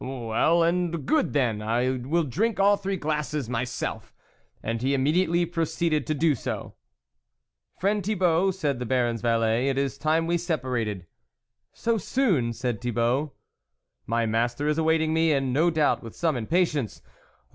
" Well and good then ! I will drink all three glasses myself," and he immediately proceeded to do so. " Friend Thibault," said the Baron's valet, " it is time we separated." " So soon ?" said Thibault. " My master is awaiting me, and no THE WOLF LEADER 79 doubt with some impatience